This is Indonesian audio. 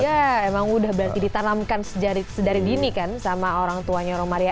ya emang udah berarti ditanamkan sedari dini kan sama orang tuanya romaria